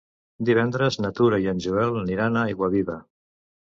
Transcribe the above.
Divendres na Tura i en Joel aniran a Aiguaviva.